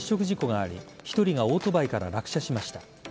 事故があり１人がオートバイから落車しました。